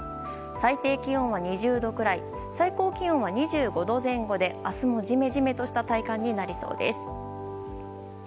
最低気温は２０度くらい最高気温は２５度前後で明日もジメジメとした体感になりそうです。